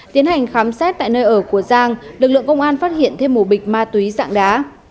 tiến hành khám xét tại nơi ở của giang lực lượng công an phát hiện thêm một bịch ma túy dạng đá